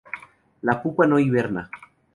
La pupa no inverna.